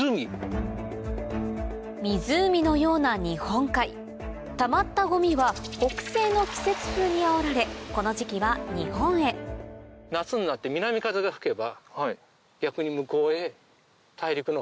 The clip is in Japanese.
湖のような日本海たまったゴミは北西の季節風にあおられこの時期は日本へ逆に向こうへ。